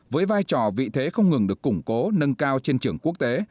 với vai trò vị thế không ngừng được củng cố nâng cao trên trường quốc tế